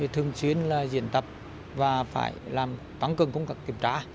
thường xuyên là diễn tập và phải làm toàn cường cũng kiểm tra